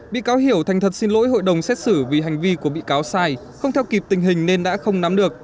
bị cáo hiểu thành thật xin lỗi hội đồng xét xử vì hành vi của bị cáo sai không theo kịp tình hình nên đã không nắm được